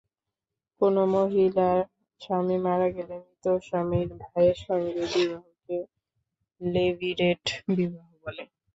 কোনো মহিলার স্বামী মারা গেলে মৃত স্বামীর ভাইয়ের সঙ্গে বিবাহকে লেভিরেট বিবাহ বলে।